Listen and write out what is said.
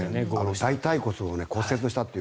大腿骨を骨折したという。